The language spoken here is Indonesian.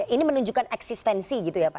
ini menunjukkan eksistensi gitu ya pak